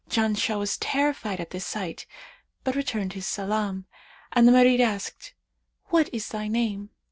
Janshah was terrified at his sight, but returned his salam, and the Marid asked, 'What is thy name?'